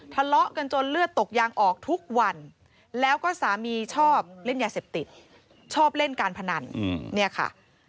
ทะเลาะกันจนเลือดตกยางออกทุกวันแล้วก็สามีชอบเล่นยาเสพติดชอบเล่นการพนันเนี่ยค่ะ